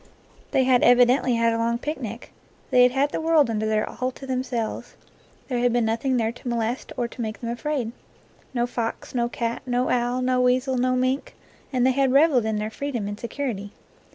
They had evidently had a long picnic. They had had the world under there all to themselves. There had been nothing there to molest or to make them afraid, no fox, no cat, no owl, no weasel, no mink, and they had reveled in their freedom and security.